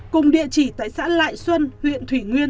cùng địa chỉ tại xã lại xuân huyện thủy nguyên